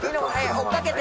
追っかけて。